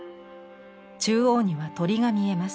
中央には鳥が見えます。